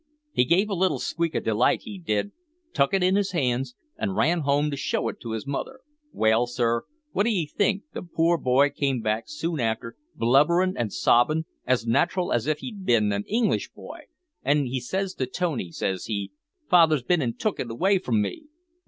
He give a little squeak of delight he did, tuk it in his hands, an' ran home to show it to his mother. Well, sir, wot d'ee think, the poor boy come back soon after, blubberin' an' sobbin', as nat'ral as if he'd bin an English boy, an' says he to Tony, says he, `Father's bin an' took it away from me!'